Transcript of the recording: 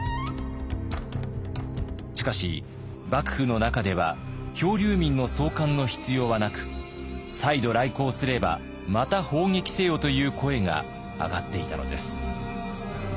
しかし幕府の中では漂流民の送還の必要はなく再度来航すればまた砲撃せよという声が上がっていたのです。